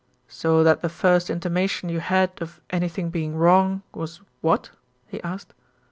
"So that the first intimation you had of anything being wrong was what?" he asked.